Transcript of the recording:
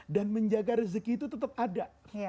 menjaga rezeki itu tetap ada